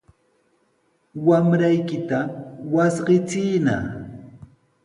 Wamraykita wasqichiyna.